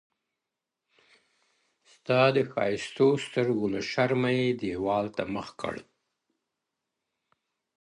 ستا د ښايستو سترگو له شرمه يې دېوال ته مخ کړ-